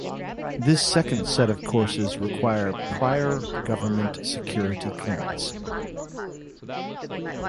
This second set of courses require prior government security clearance.